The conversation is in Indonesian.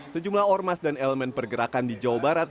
sejumlah ormas dan elemen pergerakan di jawa barat